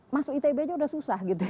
masuk itb aja udah susah gitu